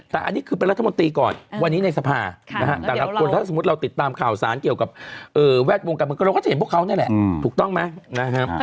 แต่อันนี้คือเป็นรัฐมนตรีก่อนวันนี้ในสภาแต่ละคนถ้าสมมุติเราติดตามข่าวสารเกี่ยวกับแวดวงการเมืองเราก็จะเห็นพวกเขานั่นแหละถูกต้องไหมนะครับ